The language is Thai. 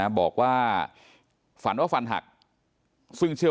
ตลอดทั้งคืนตลอดทั้งคืน